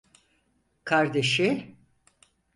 Kardeşi…